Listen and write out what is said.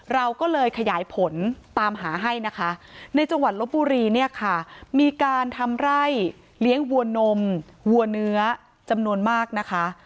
เราก็เลยขยายผลตามหาให้นะคะในจังหวัดลบบุรีเนี่ยค่ะมีการทำไร่เลี้ยงวัวนมวัวเนื้อจำนวนมากนะคะ